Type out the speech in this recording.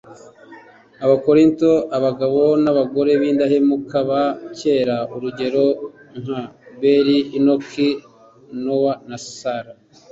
Abakorinto Abagabo n abagore b indahemuka ba kera urugero nka Abeli Enoki Nowa Sara